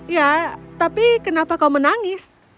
ya tapi kenapa kau menangis